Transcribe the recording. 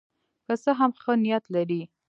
که څه هم ښه نیت لري.